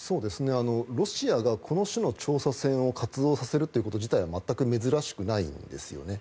ロシアがこの種の調査船を活動させること自体は全く珍しくないんですよね。